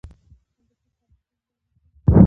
هندوکش د افغانستان د زرغونتیا نښه ده.